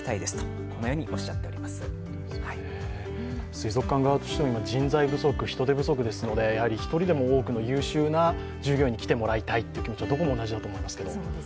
水族館側も人材不足、人手不足ですのでやはり一人でも多くの優秀な従業員に来てもらいたいという気持ちはどこも同じだと思いますけど。